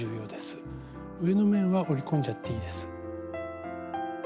上の面は折り込んじゃっていいです。